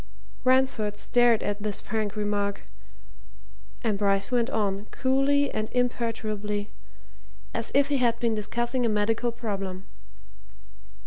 Ransford stared at this frank remark, and Bryce went on, coolly and imperturbably, as if he had been discussing a medical problem.